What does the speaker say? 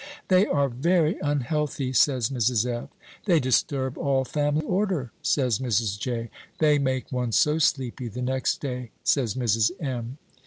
"They are very unhealthy," says Mrs. F. "They disturb all family order," says Mrs. J. "They make one so sleepy the next day," says Mrs. M.